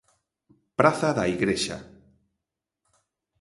Praza da Igrexa.